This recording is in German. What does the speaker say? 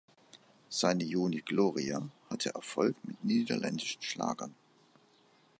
Seine "Unit Gloria" hatte Erfolg mit niederländischen Schlagern.